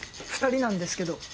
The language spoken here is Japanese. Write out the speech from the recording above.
２人なんですけど。